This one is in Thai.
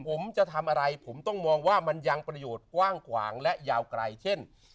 ผมจะทำอะไรผมต้องมองว่ามันยังประโยชน์กว้างขวางและยาวไกลเช่น